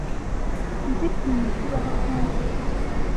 Nicyo kintu kibaho kenshi.